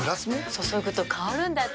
注ぐと香るんだって。